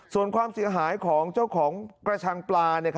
ส่วนความเสียหายของเจ้าของกระชังปลา